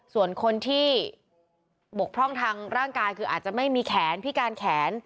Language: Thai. ส่วนคนที่บกพร่องทางร่างกายคืออาจจะไม่มีแขนพิการแขน